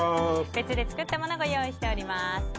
別で作ったものご用意しております。